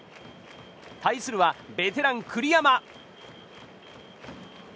対するはベテラン、栗山。